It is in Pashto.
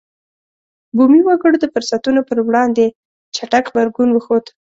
بومي وګړو د فرصتونو پر وړاندې چټک غبرګون وښود.